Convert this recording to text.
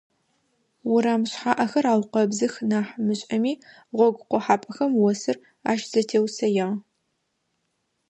Урам шъхьаӀэхэр аукъэбзых нахь мышӀэми, гъогу къохьапӀэхэм осыр ащызэтеусэягъ.